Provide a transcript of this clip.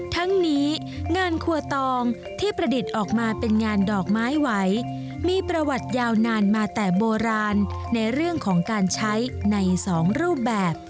ทั้งนี้งานครัวตองที่ประดิษฐ์ออกมาเป็นงานดอกไม้ไหวมีประวัติยาวนานมาแต่โบราณในเรื่องของการใช้ในสองรูปแบบ